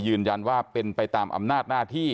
ยืนยันว่าเป็นไปตามอำนาจหน้าที่